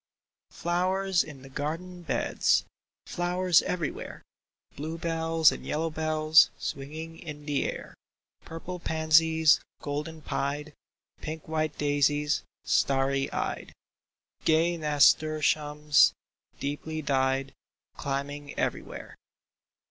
Flowers in the garden beds, Flowers everywhere ; Blue bells and yellow bells Swinging in the air ; Purple pansies, golden pied ; Pink white daisies, starry eyed ; Gay nasturtiums, deeply dyed. Climbing everywhere